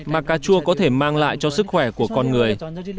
mà cà chua có thể mang lại cho sức khỏe của con người